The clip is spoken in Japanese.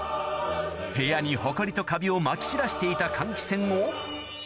部屋にホコリとカビをまき散らしていた換気扇を見事レスキュー